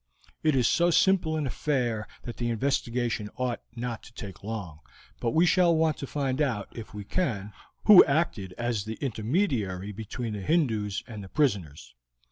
It is so simple an affair that the investigation ought not to take long, but we shall want to find out, if we can, who acted as the intermediary between the Hindoos and the prisoners.